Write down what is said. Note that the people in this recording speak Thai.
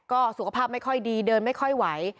ก็สุขภาพไม่ค่อยดีเดินไม่ค่อยไหว